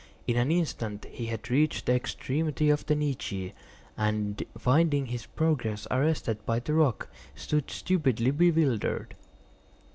In an instant he had reached the extremity of the niche, and finding his progress arrested by the rock, stood stupidly bewildered.